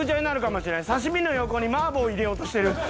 刺身の横に麻婆入れようとしてる。